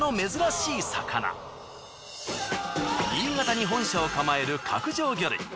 新潟に本社を構える角上魚類。